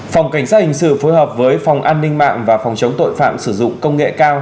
phòng cảnh sát hình sự phối hợp với phòng an ninh mạng và phòng chống tội phạm sử dụng công nghệ cao